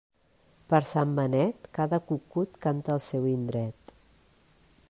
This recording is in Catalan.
Per Sant Benet, cada cucut canta al seu indret.